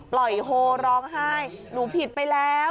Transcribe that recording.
โฮร้องไห้หนูผิดไปแล้ว